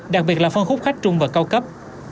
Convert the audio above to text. đặc biệt là phân khúc khách trung và cao cấp